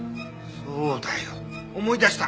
そうだよ思い出した。